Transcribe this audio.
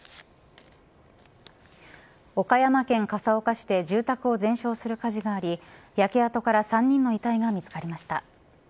岡山県笠岡市で住宅を全焼する火事があり焼け跡から３人の遺体が見つかりました。